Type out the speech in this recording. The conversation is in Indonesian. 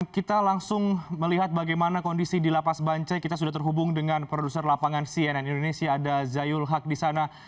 kita langsung melihat bagaimana kondisi di lapas bancai kita sudah terhubung dengan produser lapangan cnn indonesia ada zayul haq di sana